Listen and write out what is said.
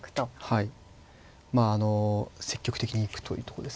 はい。